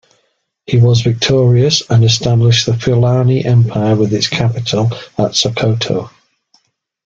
He was victorious, and established the Fulani Empire with its capital at Sokoto.